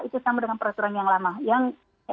itu sama dengan peraturan yang lama